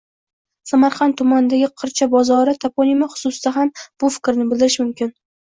Samarqand tumanidagi “Qircha bozori” toponimi xususida ham shu fikrni bildirish mumkin.